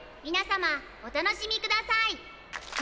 みな様お楽しみください」。